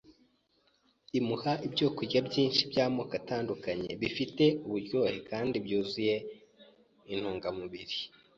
imuha ibyokurya byinshi by’amoko atandukanye bifite uburyohe kandi byuzuye intungamubiri.